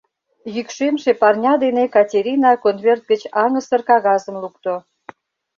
Йӱкшемше парня дене Катерина конверт гыч аҥысыр кагазым лукто.